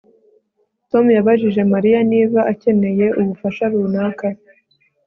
Tom yabajije Mariya niba akeneye ubufasha runaka